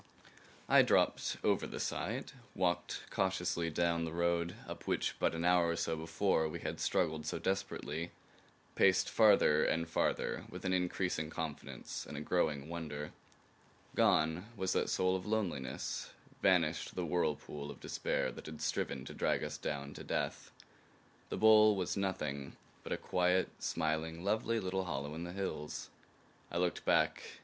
I dropped over the side, walked cautiously down the road up which but an hour or so before we had struggled so desperately; paced farther and farther with an increasing confidence and a growing wonder. Gone was that soul of loneliness; vanished the whirlpool of despair that had striven to drag us down to death. The bowl was nothing but a quiet, smiling lovely little hollow in the hills. I looked back.